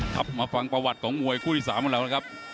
ครับมาฟังประวัติของมวยคู่ที่๓ของเรานะครับ